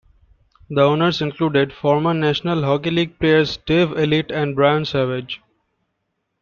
The owners included former National Hockey League players Dave Ellett and Brian Savage.